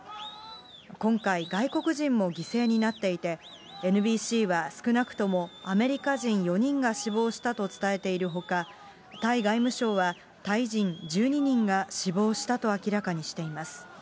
今回、外国人も犠牲になっていて、ＮＢＣは少なくともアメリカ人４人が死亡したと伝えているほか、タイ外務省は、タイ人１２人が死亡したと明らかにしています。